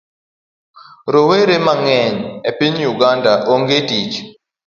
Rowere mang'eny e piny Uganda onge tich